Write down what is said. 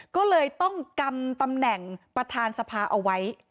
ก็เลยต้องกำตำแหน่งประธานสภาเอาไว้